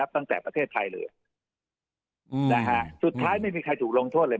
ตั้งแต่ประเทศไทยเลยสุดท้ายไม่มีใครถูกลงโทษเลย